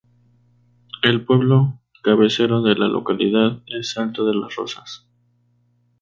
El pueblo cabecero de la localidad, es Salto de la Rosas.